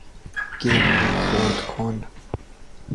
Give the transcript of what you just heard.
گردو خرد کن